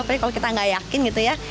apalagi kalau kita tidak yakin gitu ya